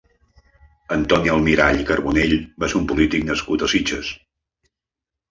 Antoni Almirall i Carbonell va ser un polític nascut a Sitges.